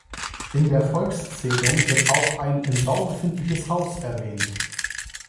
In der Volkszählung wird auch ein im Bau befindliches Haus erwähnt.